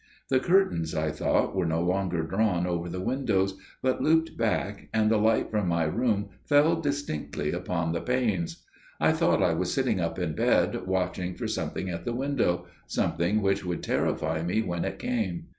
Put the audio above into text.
The curtains, I thought, were no longer drawn over the windows, but looped back, and the light from my room fell distinctly upon the panes. I thought I was sitting up in bed watching for something at the window, something which would terrify me when it came.